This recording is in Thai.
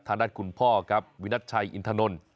ฐานัดคุณพ่อกับวินัจชัยอินทนนท์